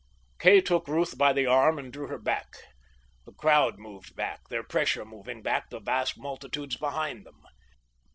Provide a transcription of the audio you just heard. Kay took Ruth by the arm and drew her back. The crowd moved back, their pressure moving back the vast multitudes behind them.